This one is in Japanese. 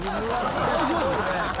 大丈夫？